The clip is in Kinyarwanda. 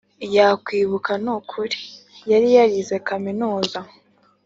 yakwibuka n’ukuntu yari yarize kaminuza